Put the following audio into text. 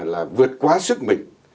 là vượt quá sức mình